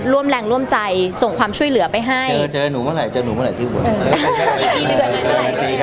ร่วมแรงร่วมใจส่งความช่วยเหลือไปให้เจอหนูเมื่อไหร่เจอหนูเมื่อไหร่ที่อุบล